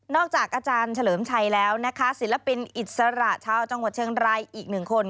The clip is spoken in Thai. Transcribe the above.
จากอาจารย์เฉลิมชัยแล้วนะคะศิลปินอิสระชาวจังหวัดเชียงรายอีกหนึ่งคน